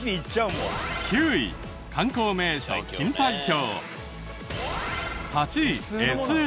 ９位観光名所錦帯橋。